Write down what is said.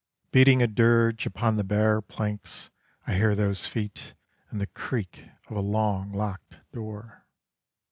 Beating a dirge upon the bare planks I hear those feet and the creak of a long locked door.